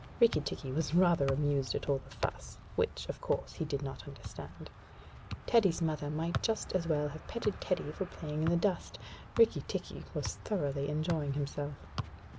Rikki tikki was rather amused at all the fuss, which, of course, he did not understand. Teddy's mother might just as well have petted Teddy for playing in the dust. Rikki was thoroughly enjoying himself.